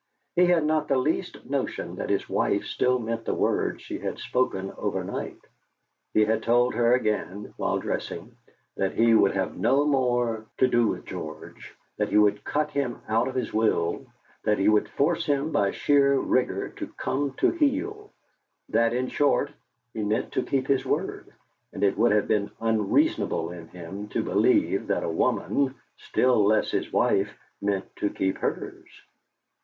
He had not the least notion that his wife still meant the words she had spoken overnight. He had told her again while dressing that he would have no more to do with George, that he would cut him out of his will, that he would force him by sheer rigour to come to heel, that, in short, he meant to keep his word, and it would have been unreasonable in him to believe that a woman, still less his wife, meant to keep hers.